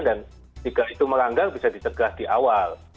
dan jika itu meranggar bisa ditegah di awal